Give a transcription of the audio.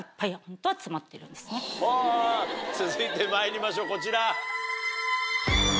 続いてまいりましょうこちら。